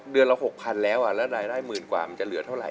ละ๖๐๐๐แล้วแล้วรายได้หมื่นกว่ามันจะเหลือเท่าไห